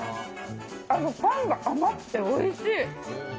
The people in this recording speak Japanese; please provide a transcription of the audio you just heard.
パンが甘くて、おいしい。